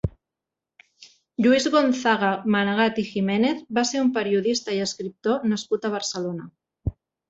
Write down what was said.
Lluís Gonzaga Manegat i Giménez va ser un periodista i escriptor nascut a Barcelona.